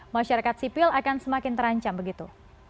masyarakat sipil akan semakin terancam begitu